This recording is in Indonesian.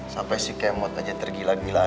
sampai sih kemot aja tergila gila